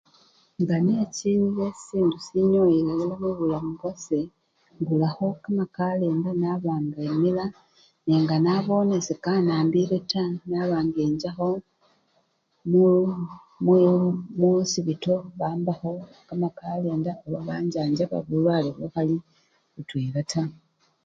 Nga nechinile sisindu sinyowela elala mubulamu bwase, engulakho kamakalenda naba nga emila nenga nabone sekanambile taa, naba ngenchakho mu! mu! mukhosipito nebambakho kamakalenda oba banchanchaba bulwale bukhali butwela taa.